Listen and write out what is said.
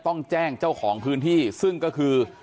ต้องแจ้งเจ้าของพื้นที่ซึ่งก็คือ